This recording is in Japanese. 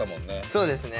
そうですね。